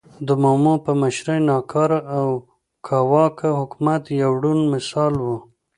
د مومو په مشرۍ ناکاره او کاواکه حکومت یو روڼ مثال و.